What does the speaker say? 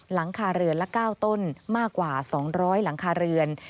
หลังคาเรือนละ๙ต้นมากกว่า๒๐๐หลังคาเรือน